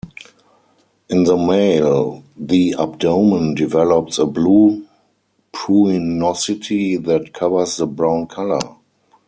In the male the abdomen develops a blue pruinosity that covers the brown colour.